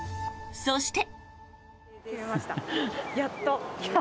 そして。